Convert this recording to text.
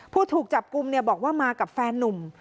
ผู้ถูกจับกลุ่มบอกว่ามากับแฟนนุ่ม